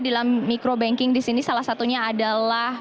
dalam micro banking disini salah satunya adalah